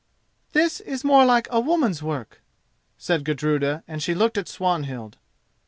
"This is more like a woman's work," said Gudruda, and she looked at Swanhild.